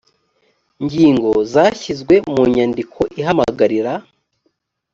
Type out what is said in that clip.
ngingo zashyizwe mu nyandiko ihamagarira